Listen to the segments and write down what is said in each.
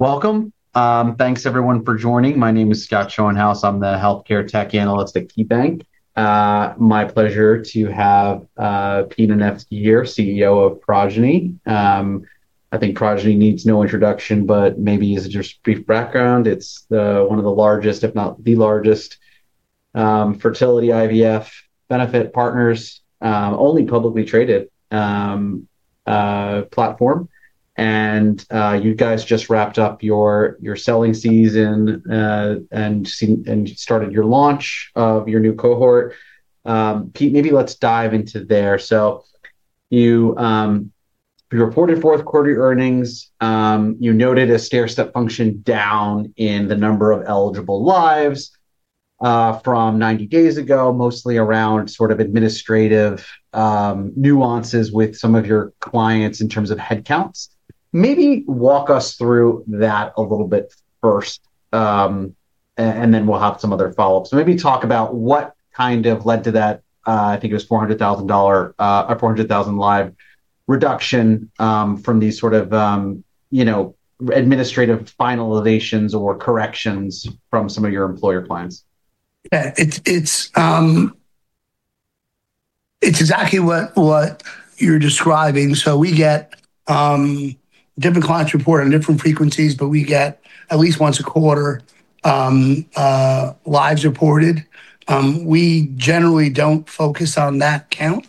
Welcome. Thanks everyone for joining. My name is Scott Schoenhaus. I'm the healthcare tech analyst at KeyBanc. My pleasure to have Pete Anevski here, CEO of Progyny. I think Progyny needs no introduction, but maybe just a brief background. It's one of the largest, if not the largest, fertility IVF benefit partners, only publicly traded platform. You guys just wrapped up your selling season and started your launch of your new cohort. Pete, maybe let's dive into there. You reported fourth quarter earnings. You noted a stairstep function down in the number of eligible lives from 90 days ago, mostly around sort of administrative nuances with some of your clients in terms of headcounts. Maybe walk us through that a little bit first, and then we'll have some other follow-ups. Maybe talk about what kind of led to that, I think it was $400,000, or 400,000 live reduction, from these sort of, you know, administrative finalizations or corrections from some of your employer clients. Yeah. It's exactly what you're describing. We get different clients report on different frequencies, but we get at least once a quarter lives reported. We generally don't focus on that count.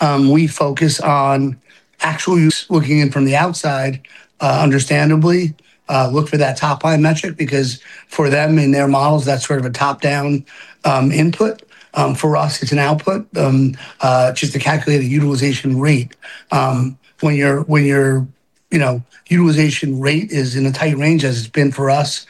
We focus on actual use. Looking in from the outside, understandably, look for that top line metric because for them in their models, that's sort of a top-down input. For us it's an output. Just to calculate a utilization rate, when your utilization rate is in a tight range as it's been for us,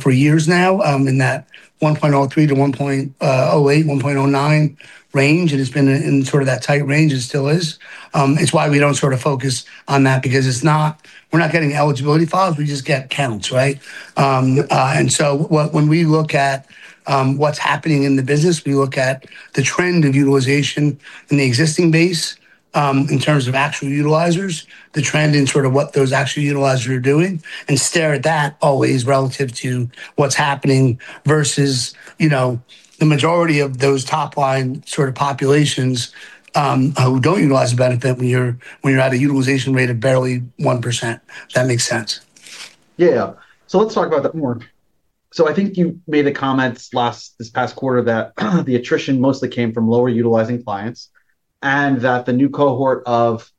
for years now, in that 1.03-1.08, 1.09 range. It has been in sort of that tight range and still is. It's why we don't sort of focus on that because it's not. We're not getting eligibility files, we just get counts, right? When we look at what's happening in the business, we look at the trend of utilization in the existing base, in terms of actual utilizers, the trend in sort of what those actual utilizers are doing, and stare at that always relative to what's happening versus, you know, the majority of those top line sort of populations, who don't utilize the benefit when you're at a utilization rate of barely 1%, if that makes sense. Yeah. Let's talk about that more. I think you made the comments last, this past quarter that the attrition mostly came from lower utilizing clients, and that the new cohort of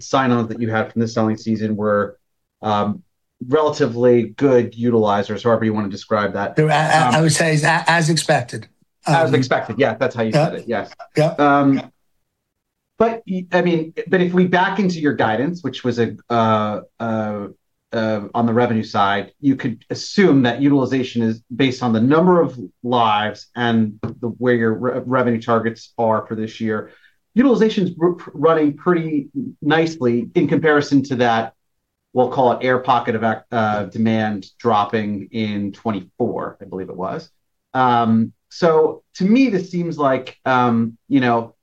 sign-ons that you had from the selling season were relatively good utilizers, however you wanna describe that. I would say as expected. As expected. Yeah, that's how you said it. Yeah. Yes. Yeah. I mean, but if we back into your guidance, which was on the revenue side, you could assume that utilization is based on the number of lives and where your revenue targets are for this year. Utilization's running pretty nicely in comparison to that, we'll call it air pocket of demand dropping in 2024, I believe it was. To me this seems like, you know.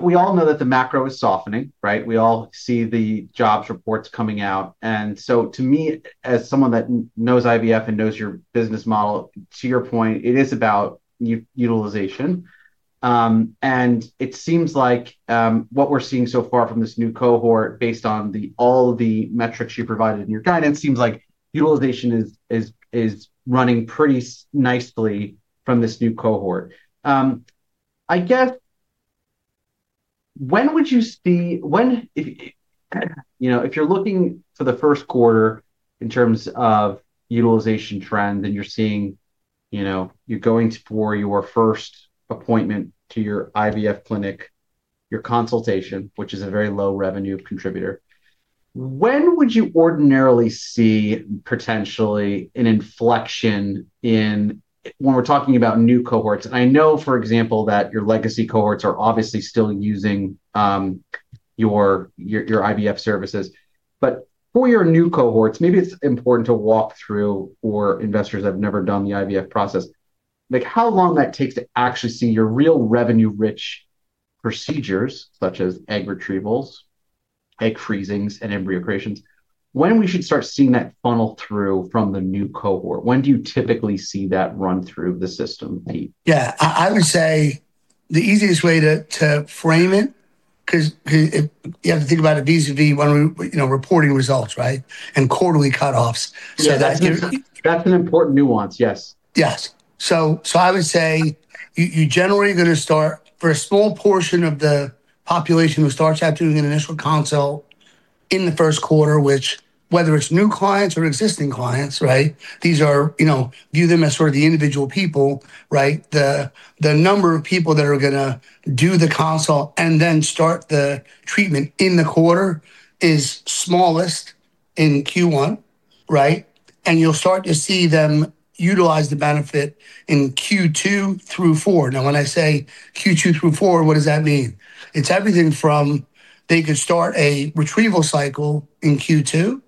We all know that the macro is softening, right? We all see the jobs reports coming out. To me, as someone that knows IVF and knows your business model, to your point, it is about utilization. It seems like what we're seeing so far from this new cohort based on all the metrics you provided in your guidance seems like utilization is running pretty nicely from this new cohort. I guess when would you see. If, you know, if you're looking for the first quarter in terms of utilization trend and you're seeing, you know, you're going for your first appointment to your IVF clinic, your consultation, which is a very low revenue contributor. When would you ordinarily see potentially an inflection in when we're talking about new cohorts. I know, for example, that your legacy cohorts are obviously still using your IVF services. For your new cohorts, maybe it's important to walk through for investors that have never done the IVF process, like how long that takes to actually see your real revenue-rich procedures such as egg retrievals, egg freezing, and embryo creations. When we should start seeing that funnel through from the new cohort? When do you typically see that run through the system, Pete? Yeah. I would say the easiest way to frame it, 'cause you have to think about it vis-a-vis when we, you know, reporting results, right? Quarterly cutoffs. That gives. That's an important nuance, yes. Yes. I would say you generally gonna start for a small portion of the population who starts out doing an initial consult in the first quarter, which whether it's new clients or existing clients, right? These are, you know, view them as sort of the individual people, right? The number of people that are gonna do the consult and then start the treatment in the quarter is smallest in Q1. Right? You'll start to see them utilize the benefit in Q2 through Q4. Now, when I say Q2 through Q4, what does that mean? It's everything from they could start a retrieval cycle in Q2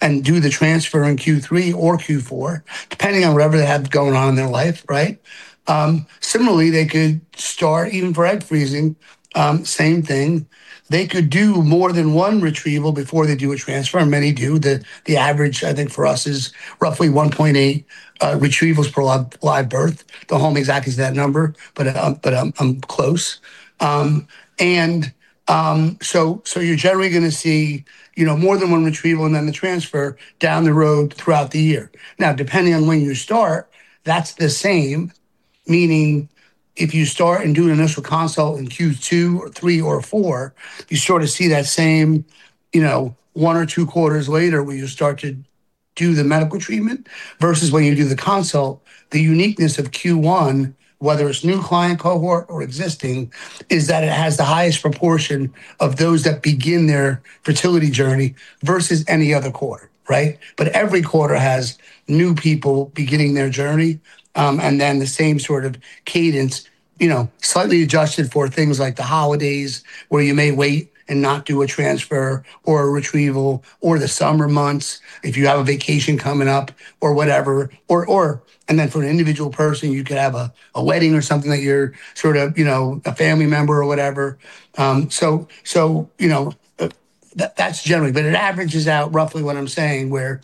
and do the transfer in Q3 or Q4, depending on whatever they have going on in their life, right? Similarly, they could start even for egg freezing, same thing. They could do more than one retrieval before they do a transfer. Many do. The average, I think, for us is roughly 1.8 retrievals per live birth. Don't hold me exactly to that number, but I'm close. So you're generally gonna see, you know, more than one retrieval and then the transfer down the road throughout the year. Now, depending on when you start, that's the same. Meaning, if you start and do an initial consult in Q2 or Q3 or Q4, you sort of see that same, you know, one or two quarters later where you start to do the medical treatment versus when you do the consult. The uniqueness of Q1, whether it's new client cohort or existing, is that it has the highest proportion of those that begin their fertility journey versus any other quarter, right? Every quarter has new people beginning their journey, and then the same sort of cadence, you know, slightly adjusted for things like the holidays where you may wait and not do a transfer or a retrieval or the summer months if you have a vacation coming up or whatever. Then for an individual person, you could have a wedding or something that you're sort of, you know, a family member or whatever. So, you know, that's generally. It averages out roughly what I'm saying where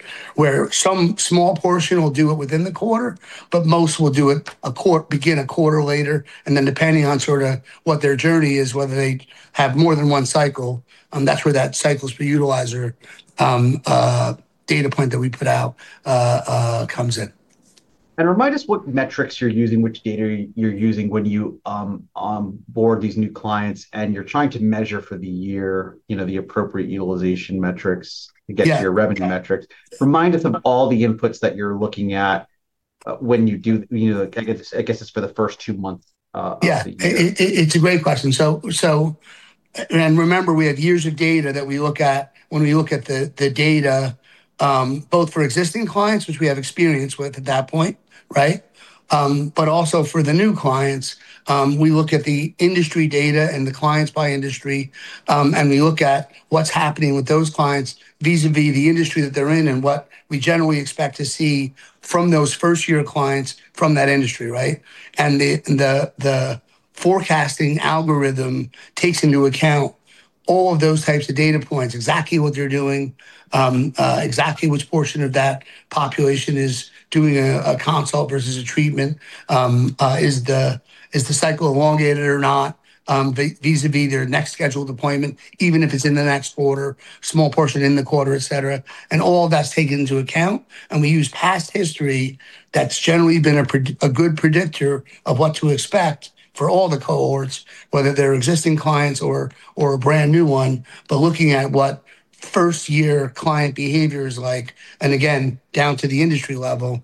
some small portion will do it within the quarter, but most will begin a quarter later. Depending on sort of what their journey is, whether they have more than one cycle, that's where that cycles per utilizer data point that we put out comes in. Remind us what metrics you're using, which data you're using when you onboard these new clients and you're trying to measure for the year, you know, the appropriate utilization metrics? Yeah to get to your revenue metrics. Remind us of all the inputs that you're looking at. You know, like I guess it's for the first two months of the year. Yeah. It's a great question. Remember, we have years of data that we look at when we look at the data, both for existing clients, which we have experience with at that point, right? Also for the new clients, we look at the industry data and the clients by industry, and we look at what's happening with those clients vis-à-vis the industry that they're in and what we generally expect to see from those first-year clients from that industry, right? The forecasting algorithm takes into account all of those types of data points, exactly what they're doing, exactly which portion of that population is doing a consult versus a treatment, is the cycle elongated or not, vis-à-vis their next scheduled appointment, even if it's in the next quarter, small portion in the quarter, et cetera. All that's taken into account. We use past history that's generally been a good predictor of what to expect for all the cohorts, whether they're existing clients or a brand-new one, but looking at what first-year client behavior is like, and again, down to the industry level,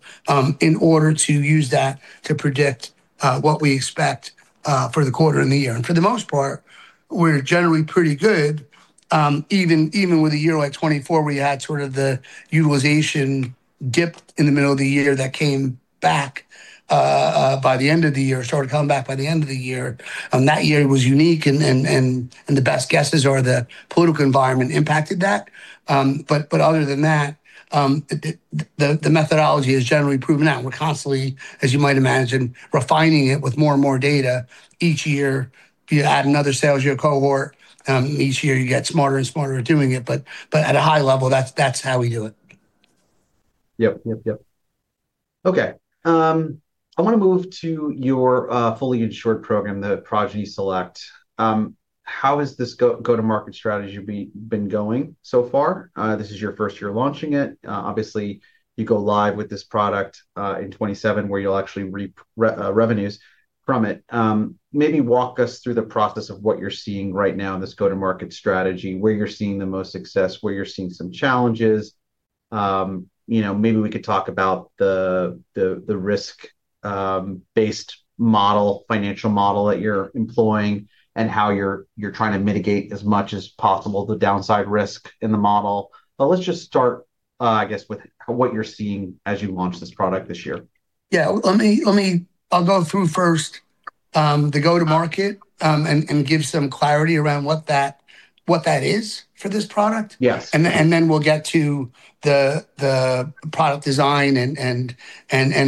in order to use that to predict what we expect for the quarter and the year. For the most part, we're generally pretty good, even with a year like 2024, we had sort of the utilization dip in the middle of the year that came back by the end of the year, started coming back by the end of the year. That year was unique and the best guesses are the political environment impacted that. Other than that, the methodology has generally proven out. We're constantly, as you might imagine, refining it with more and more data each year. If you add another sales year cohort, each year you get smarter and smarter at doing it. At a high level, that's how we do it. Yep. Okay. I wanna move to your fully insured program, the Progyny Select. How has this go-to-market strategy been going so far? This is your first year launching it. Obviously, you go live with this product in 2027, where you'll actually reap revenues from it. Maybe walk us through the process of what you're seeing right now in this go-to-market strategy, where you're seeing the most success, where you're seeing some challenges. You know, maybe we could talk about the risk based model, financial model that you're employing and how you're trying to mitigate as much as possible the downside risk in the model. Let's just start, I guess, with what you're seeing as you launch this product this year. Yeah. Let me, I'll go through first, the go-to-market, and give some clarity around what that is for this product. Yes. We'll get to the product design and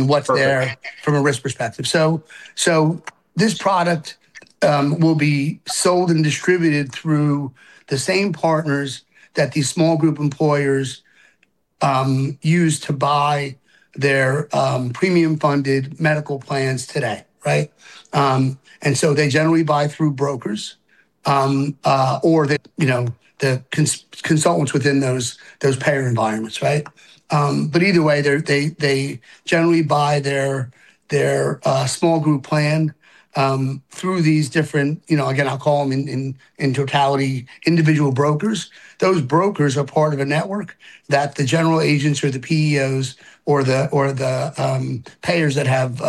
what's there. Perfect. From a risk perspective. This product will be sold and distributed through the same partners that these small group employers use to buy their premium-funded medical plans today, right? They generally buy through brokers or the, you know, the consultants within those payer environments, right? But either way, they generally buy their small group plan through these different, you know, again, I'll call them in totality, individual brokers. Those brokers are part of a network that the general agents or the PEOs or the payers that have,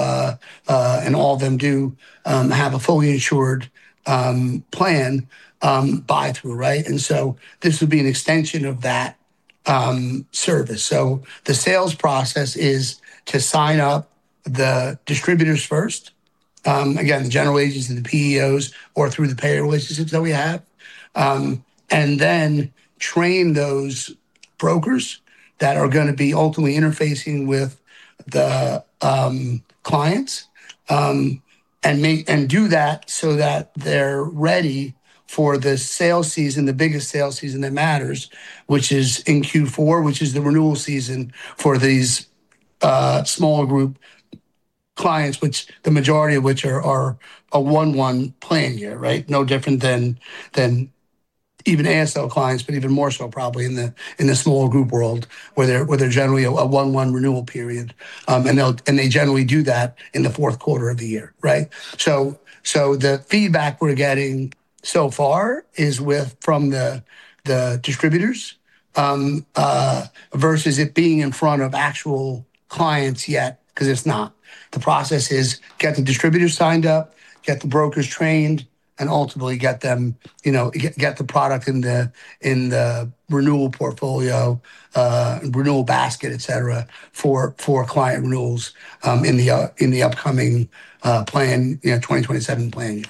and all of them do, have a fully insured plan buy through, right? This would be an extension of that service. The sales process is to sign up the distributors first, again, general agencies, the PEOs, or through the payer relationships that we have. And then train those brokers that are gonna be ultimately interfacing with the clients. And do that so that they're ready for the sales season, the biggest sales season that matters, which is in Q4, which is the renewal season for these small group clients, which the majority of which are a one-year plan year, right? No different than even ASO clients, but even more so probably in the small group world, where they're generally a one-year renewal period. And they generally do that in the fourth quarter of the year, right? The feedback we're getting so far is with from the distributors versus it being in front of actual clients yet, 'cause it's not. The process is get the distributors signed up, get the brokers trained, and ultimately get them, you know, get the product in the renewal portfolio, renewal basket, et cetera, for client renewals, in the upcoming plan, you know, 2027 plan.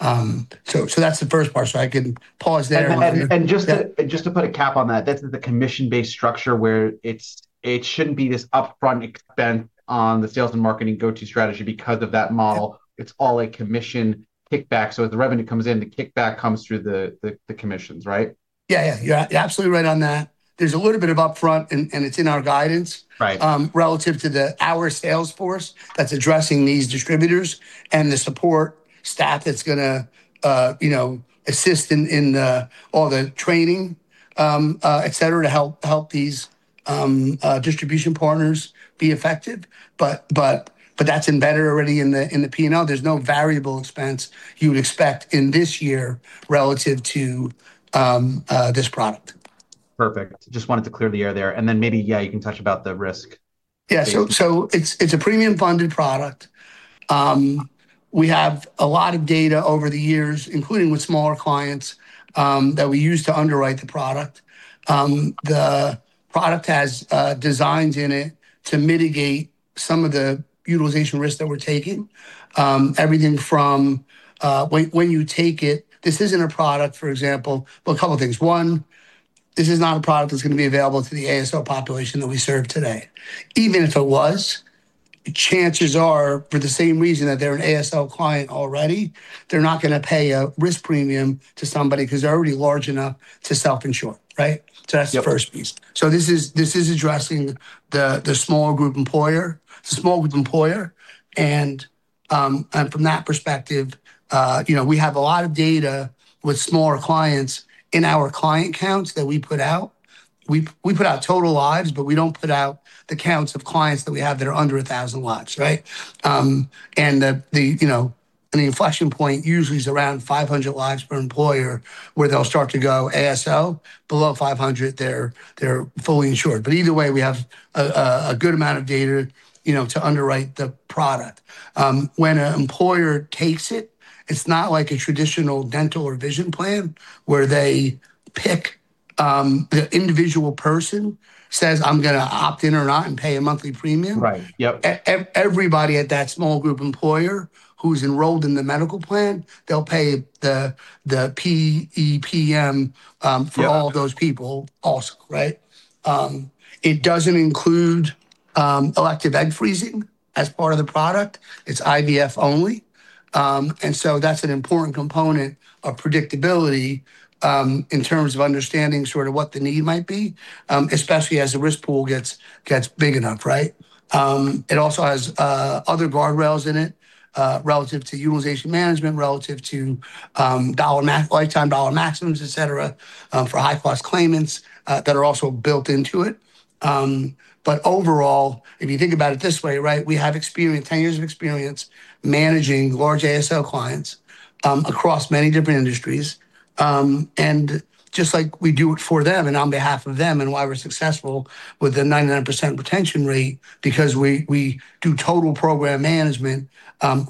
That's the first part, so I can pause there. And, and just to. Yeah. Just to put a cap on that's the commission-based structure where it's, it shouldn't be this upfront expense on the sales and marketing go-to strategy because of that model. Yeah. It's all a commission kickback. As the revenue comes in, the kickback comes through the commissions, right? Yeah, yeah. You're absolutely right on that. There's a little bit of upfront and it's in our guidance. Right. Relative to our sales force that's addressing these distributors and the support staff that's gonna you know assist in all the training et cetera to help these distribution partners be effective. That's embedded already in the P&L. There's no variable expense you would expect in this year relative to this product. Perfect. Just wanted to clear the air there, and then maybe, yeah, you can touch about the risk. Yeah. It's a premium funded product. We have a lot of data over the years, including with smaller clients, that we use to underwrite the product. The product has designs in it to mitigate some of the utilization risks that we're taking. Well, a couple things. One, this is not a product that's gonna be available to the ASO population that we serve today. Even if it was, chances are, for the same reason that they're an ASO client already, they're not gonna pay a risk premium to somebody, because they're already large enough to self-insure, right? Yep. That's the first piece. This is addressing the small group employer. From that perspective, you know, we have a lot of data with smaller clients in our client counts that we put out. We put out total lives, but we don't put out the counts of clients that we have that are under 1,000 lives, right? The inflection point usually is around 500 lives per employer, where they'll start to go ASO. Below 500, they're fully insured. Either way, we have a good amount of data, you know, to underwrite the product. When an employer takes it's not like a traditional dental or vision plan, where they pick, the individual person says, "I'm gonna opt in or not and pay a monthly premium. Right. Yep. Everybody at that small group employer who's enrolled in the medical plan, they'll pay the PEPM. Yeah. For all of those people also, right? It doesn't include elective egg freezing as part of the product. It's IVF only. That's an important component of predictability in terms of understanding sort of what the need might be, especially as the risk pool gets big enough, right? It also has other guardrails in it relative to utilization management, relative to lifetime dollar maximums, et cetera, for high-cost claimants that are also built into it. Overall, if you think about it this way, right, we have experience, 10 years of experience managing large ASO clients across many different industries. Just like we do it for them and on behalf of them and why we're successful with the 99% retention rate, because we do total program management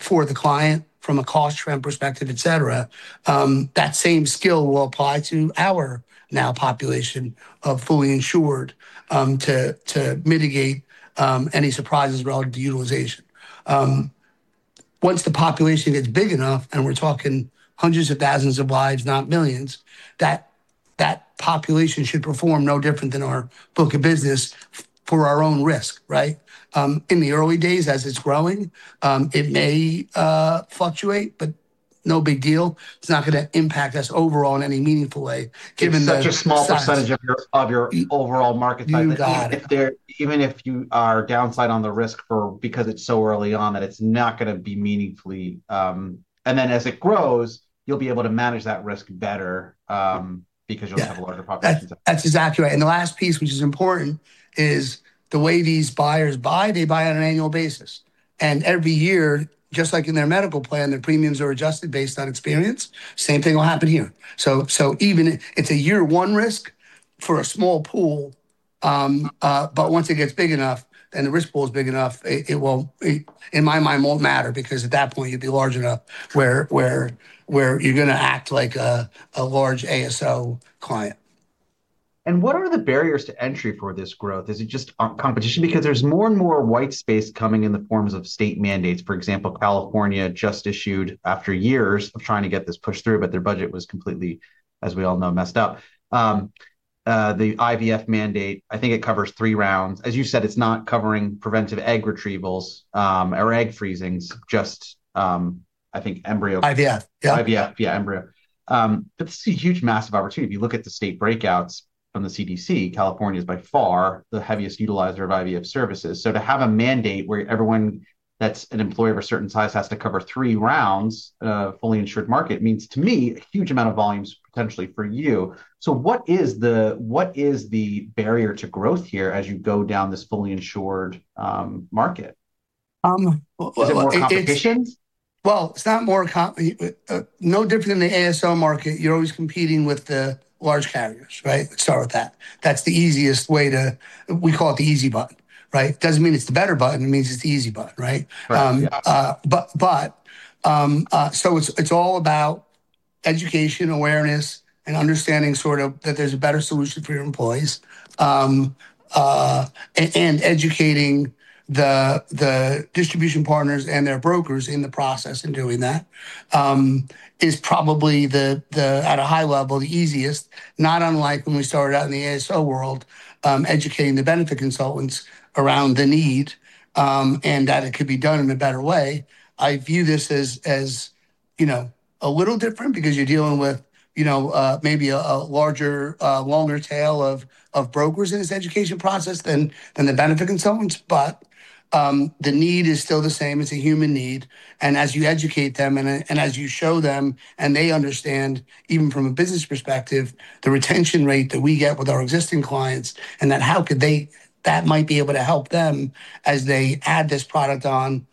for the client from a cost trend perspective, et cetera, that same skill will apply to our now population of fully insured to mitigate any surprises relative to utilization. Once the population gets big enough, and we're talking hundreds of thousands of lives, not millions, that population should perform no different than our book of business for our own risk, right? In the early days as it's growing, it may fluctuate. No big deal. It's not gonna impact us overall in any meaningful way given the. It's such a small percentage of your overall market size. You got it. That even if you are downside on the risk for, because it's so early on, that it's not gonna be meaningfully. Then as it grows, you'll be able to manage that risk better, because you'll. Yeah. Have a larger population. That's exactly right. The last piece, which is important, is the way these buyers buy. They buy on an annual basis. Every year, just like in their medical plan, their premiums are adjusted based on experience. Same thing will happen here. So even it's a year one risk for a small pool, but once it gets big enough, and the risk pool is big enough, it will, in my mind, won't matter, because at that point, you'll be large enough where you're gonna act like a large ASO client. What are the barriers to entry for this growth? Is it just competition? Because there's more and more white space coming in the forms of state mandates. For example, California just issued, after years of trying to get this pushed through, but their budget was completely, as we all know, messed up. The IVF mandate, I think it covers three rounds. As you said, it's not covering preventive egg retrievals or egg freezings, just I think embryo. IVF. Yeah. IVF, yeah, embryo. This is a huge massive opportunity. If you look at the state breakouts from the CDC, California's by far the heaviest utilizer of IVF services. To have a mandate where every employer of a certain size has to cover three rounds, fully insured market, means to me a huge amount of volumes potentially for you. What is the barrier to growth here as you go down this fully insured market? Well, it. Is it more competition? Well, it's no different than the ASO market. You're always competing with the large carriers, right? Let's start with that. That's the easiest way. We call it the easy button, right? Doesn't mean it's the better button, it means it's the easy button, right? Right. Yeah. It's all about education, awareness, and understanding sort of that there's a better solution for your employees. Educating the distribution partners and their brokers in the process in doing that is probably, at a high level, the easiest, not unlike when we started out in the ASO world, educating the benefit consultants around the need and that it could be done in a better way. I view this as, you know, a little different because you're dealing with, you know, maybe a larger, longer tail of brokers in this education process than the benefit consultants. The need is still the same. It's a human need. As you educate them and as you show them and they understand, even from a business perspective, the retention rate that we get with our existing clients, that might be able to help them as they add this product on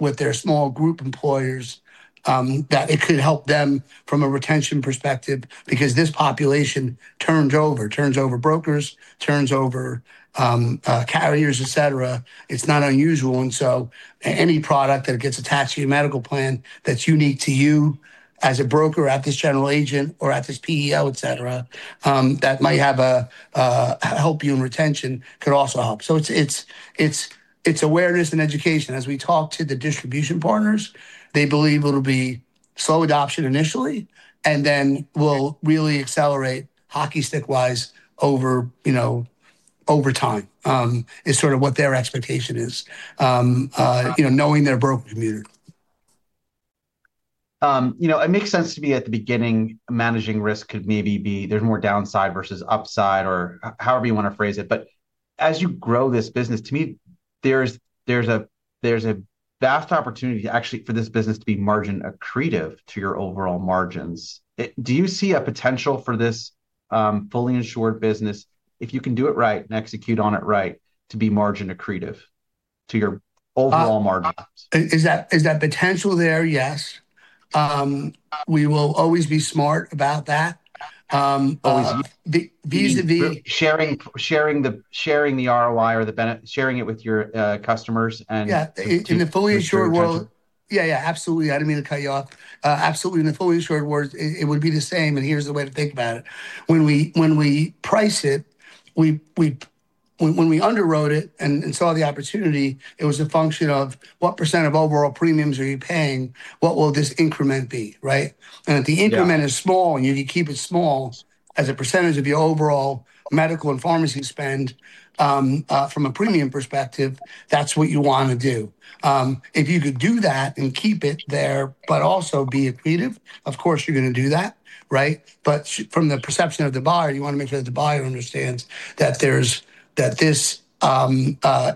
with their small group employers, that it could help them from a retention perspective because this population turns over. Turns over brokers, turns over carriers, etc. It's not unusual. Any product that gets attached to your medical plan that's unique to you as a broker at this general agent or at this PEO, etc., that might help you in retention could also help. It's awareness and education. As we talk to the distribution partners, they believe it'll be slow adoption initially, and then will really accelerate hockey stick-wise over, you know, over time, is sort of what their expectation is. You know, knowing their broker community. You know, it makes sense to me at the beginning managing risk could maybe be there's more downside versus upside or however you wanna phrase it. As you grow this business, to me, there's a vast opportunity to actually for this business to be margin accretive to your overall margins. Do you see a potential for this fully insured business, if you can do it right and execute on it right, to be margin accretive to your overall margins? Is that potential there? Yes. We will always be smart about that. Always. The, vis-à-vis. Sharing the ROI, sharing it with your customers and. Yeah. In the fully insured world. To ensure retention. Yeah, absolutely. I didn't mean to cut you off. Absolutely, in the fully insured world, it would be the same, and here's the way to think about it. When we price it, when we underwrote it and saw the opportunity, it was a function of what percent of overall premiums are you paying? What will this increment be, right? Yeah. If the increment is small, and you keep it small as a percentage of your overall medical and pharmacy spend, from a premium perspective, that's what you wanna do. If you could do that and keep it there, but also be accretive, of course you're gonna do that, right? From the perception of the buyer, you wanna make sure that the buyer understands that there's this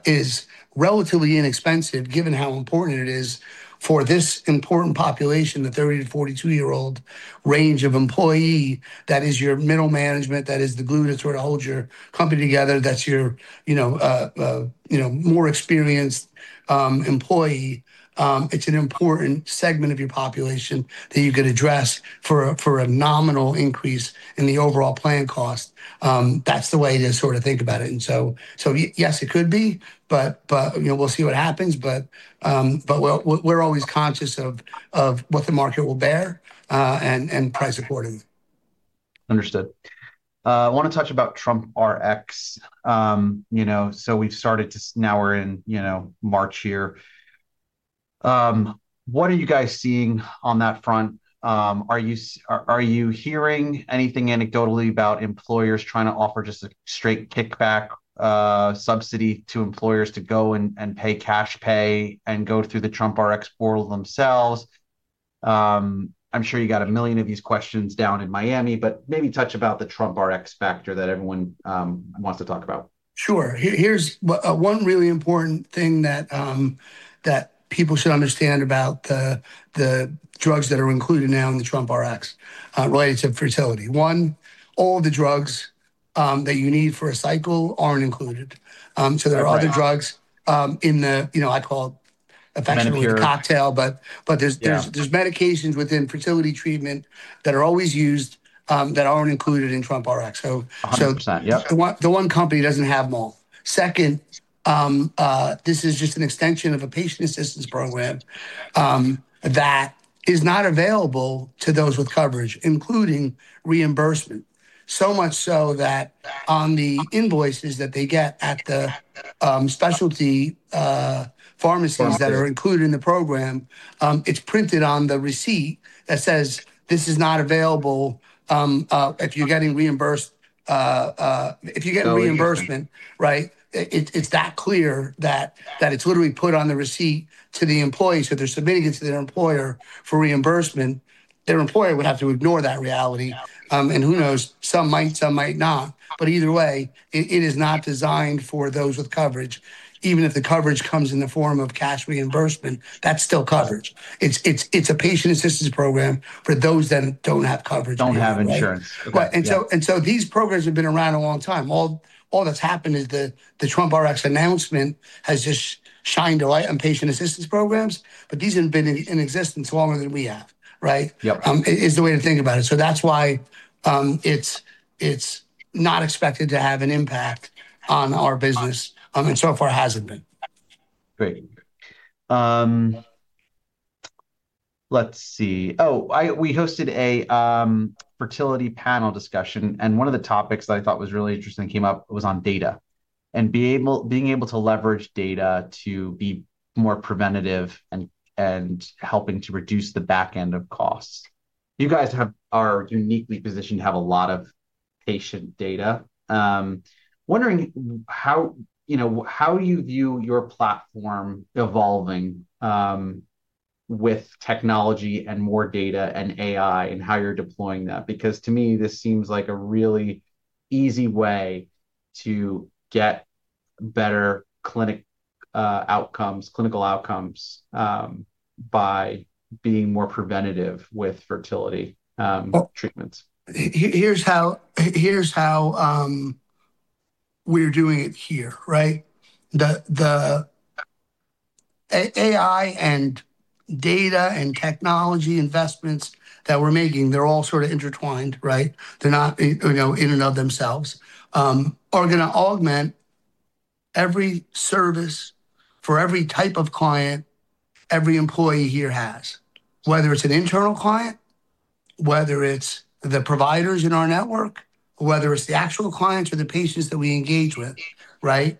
is relatively inexpensive given how important it is for this important population, the 30-42-year-old range of employee, that is your middle management, that is the glue that sort of holds your company together. That's your, you know, more experienced, employee. It's an important segment of your population that you could address for a nominal increase in the overall plan cost. That's the way to sort of think about it. Yes, it could be, but you know, we'll see what happens. We're always conscious of what the market will bear, and price accordingly. Understood. I wanna touch about TrumpRx. You know, now we're in, you know, March here. What are you guys seeing on that front? Are you hearing anything anecdotally about employers trying to offer just a straight kickback, subsidy to employees to go and pay cash pay and go through the TrumpRx portal themselves? I'm sure you got a million of these questions down in Miami, but maybe touch about the TrumpRx factor that everyone wants to talk about. Sure. Here's one really important thing that people should understand about the drugs that are included now in the TrumpRx related to fertility. One, all the drugs that you need for a cycle aren't included. There are other drugs. Right in the, you know, I call affectionately the cocktail. Medicine. Yeah. There's medications within fertility treatment that are always used that aren't included in TrumpRx. 100%. Yep. The one company doesn't have them all. Second, this is just an extension of a patient assistance program that is not available to those with coverage, including reimbursement. So much so that on the invoices that they get at the specialty pharmacies. Pharmacy That are included in the program, it's printed on the receipt that says, "This is not available if you're getting reimbursed. So. If you're getting reimbursement, right? It's that clear that it's literally put on the receipt to the employee. If they're submitting it to their employer for reimbursement, their employer would have to ignore that reality. Who knows, some might, some might not. Either way, it is not designed for those with coverage. Even if the coverage comes in the form of cash reimbursement, that's still coverage. It's a patient assistance program for those that don't have coverage. Don't have insurance. Okay. Right. Yeah These programs have been around a long time. All that's happened is the TrumpRx announcement has just shined a light on patient assistance programs. These have been in existence longer than we have, right? Yep. Is the way to think about it. That's why it's not expected to have an impact on our business. So far hasn't been. Great. Let's see. Oh, we hosted a fertility panel discussion. One of the topics that I thought was really interesting that came up was on data. Being able to leverage data to be more preventative and helping to reduce the back end of costs. You guys are uniquely positioned to have a lot of patient data. Wondering how, you know, how you view your platform evolving with technology and more data and AI, and how you're deploying that. Because to me, this seems like a really easy way to get better clinical outcomes by being more preventative with fertility treatments. Here's how we're doing it here, right? The AI and data and technology investments that we're making, they're all sort of intertwined, right? They're not, you know, in and of themselves. Are gonna augment every service for every type of client every employee here has. Whether it's an internal client, whether it's the providers in our network, whether it's the actual clients or the patients that we engage with, right?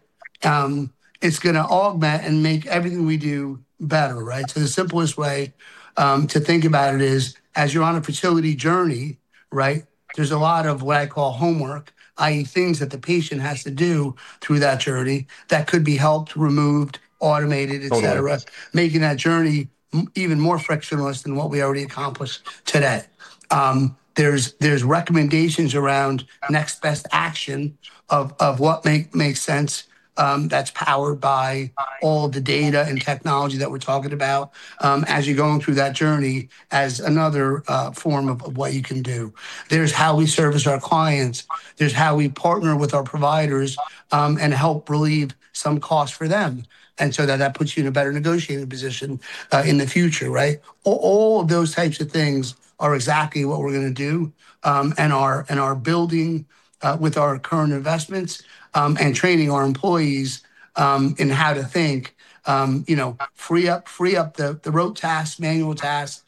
It's gonna augment and make everything we do better, right? The simplest way to think about it is, as you're on a fertility journey, right, there's a lot of what I call homework. I.e., things that the patient has to do through that journey that could be helped, removed, automated, et cetera. Totally. Making that journey even more frictionless than what we already accomplished to date. There's recommendations around next best action of what makes sense, that's powered by all the data and technology that we're talking about, as you're going through that journey as another form of what you can do. There's how we service our clients. There's how we partner with our providers, and help relieve some costs for them. That puts you in a better negotiating position in the future, right? All of those types of things are exactly what we're gonna do, and are building with our current investments, and training our employees in how to think, you know, free up the rote tasks, manual tasks,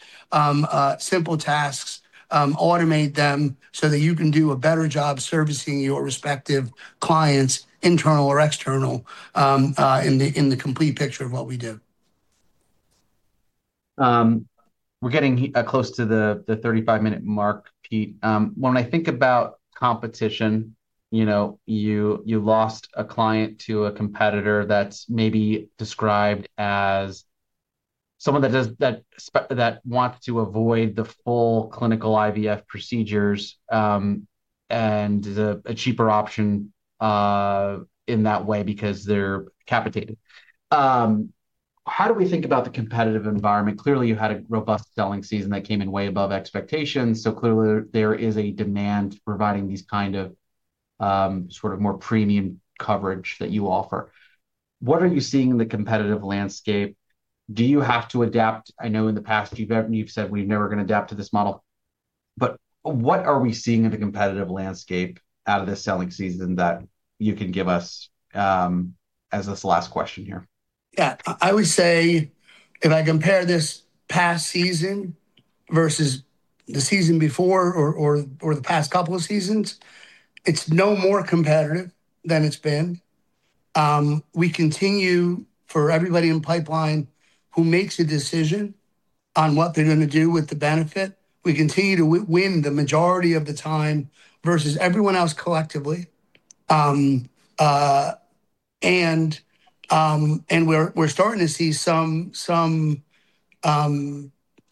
simple tasks. Automate them so that you can do a better job servicing your respective clients, internal or external, in the complete picture of what we do. We're getting close to the 35-minute mark, Pete. When I think about competition, you know, you lost a client to a competitor that's maybe described as someone that does that that wants to avoid the full clinical IVF procedures, and is a cheaper option in that way because they're capitated. How do we think about the competitive environment? Clearly you had a robust selling season that came in way above expectations, so clearly there is a demand providing these kind of sort of more premium coverage that you offer. What are you seeing in the competitive landscape? Do you have to adapt? I know in the past you've said, "We're never gonna adapt to this model." What are we seeing in the competitive landscape out of this selling season that you can give us, as this last question here? Yeah. I would say if I compare this past season versus the season before or the past couple of seasons, it's no more competitive than it's been. We continue, for everybody in the pipeline who makes a decision on what they're gonna do with the benefit, we continue to win the majority of the time versus everyone else collectively. We're starting to see some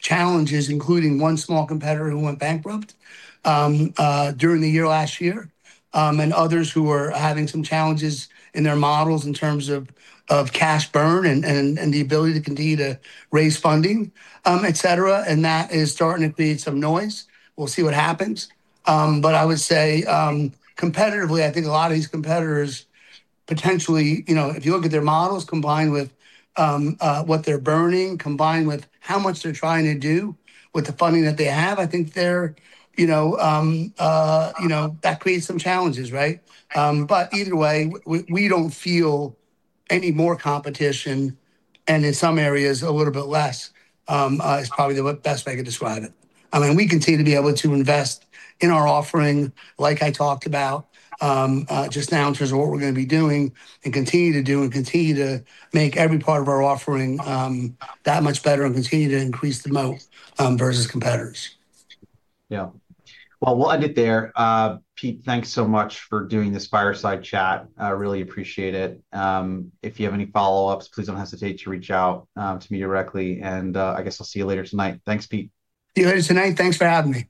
challenges, including one small competitor who went bankrupt during the year last year. Others who are having some challenges in their models in terms of cash burn and the ability to continue to raise funding, et cetera. That is starting to create some noise. We'll see what happens. I would say, competitively, I think a lot of these competitors potentially, you know, if you look at their models combined with what they're burning, combined with how much they're trying to do with the funding that they have, I think they're, you know, that creates some challenges, right? Either way, we don't feel any more competition, and in some areas a little bit less is probably the best way I could describe it. I mean, we continue to be able to invest in our offering, like I talked about, just now in terms of what we're gonna be doing, and continue to do and continue to make every part of our offering that much better and continue to increase the moat versus competitors. Yeah. Well, we'll end it there. Pete, thanks so much for doing this fireside chat. I really appreciate it. If you have any follow-ups, please don't hesitate to reach out to me directly. I guess I'll see you later tonight. Thanks, Pete. See you later tonight. Thanks for having me.